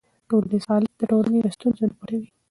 ټولنیز حالت د ټولنې له ستونزو نه پټوي.